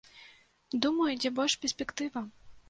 Думаю, дзе больш перспектыва.